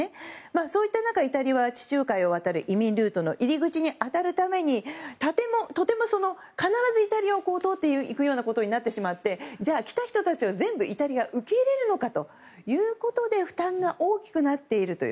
そういった中、イタリアは地中海を渡る移民ルートの入り口に当たるために必ずイタリアを通っていくことになってしまってじゃあ来た人たちを全部イタリアは受け入れるのかということで負担が大きくなっているという。